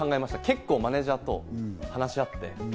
結構、マネジャーと話し合って。